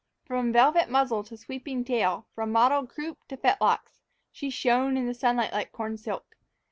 From velvet muzzle to sweeping tail, from mottled croup to fetlocks, she shone in the sunlight like corn silk.